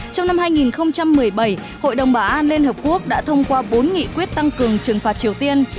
trong năm hai nghìn một mươi bảy hội đồng bảo an liên hợp quốc đã thông qua bốn nghị quyết tăng cường trừng phạt triều tiên